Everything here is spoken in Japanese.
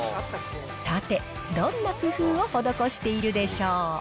さて、どんな工夫を施しているでしょう。